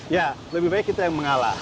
ya lebih baik kita yang mengalah